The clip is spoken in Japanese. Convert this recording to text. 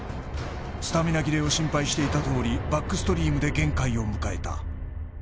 スタミナ切れを心配していたとおり、バックストリームで限界を迎えた。